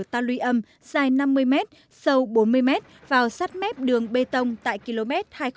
ta luy âm dài năm mươi m sâu bốn mươi m vào sát mép đường bê tông tại km hai trăm linh hai một trăm năm mươi